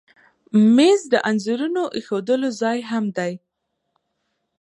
مېز د انځورونو ایښودلو ځای هم دی.